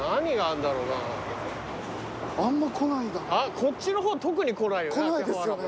こっちの方特に来ないよね。